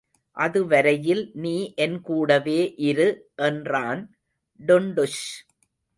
அதுவரையில் நீ என்கூடவே இரு என்றான் டுண்டுஷ்.